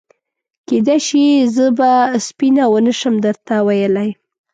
کېدای شي زه به سپینه ونه شم درته ویلای.